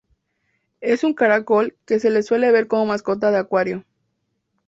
Es un caracol que se le suele ver como mascota de acuario.